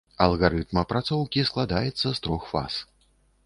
Алгарытм апрацоўкі складаецца з трох фаз.